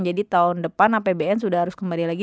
tahun depan apbn sudah harus kembali lagi